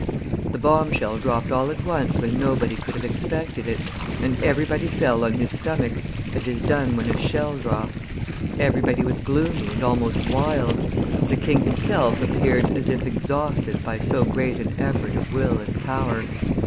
The bombshell dropped all at once when nobody could have expected it, and everybody fell on his stomach as is done when a shell drops; everybody was gloomy and almost wild; the king himself appeared as if exhausted by so great an effort of will and power.